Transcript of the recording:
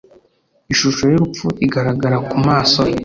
ishusho y’urupfu igaragara ku maso he